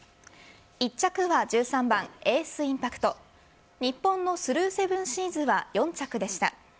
１着は１３番・エースインパクト日本のスルーセブンシーズは４着でした。